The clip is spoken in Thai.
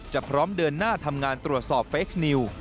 พร้อมเดินหน้าทำงานตรวจสอบเฟคนิว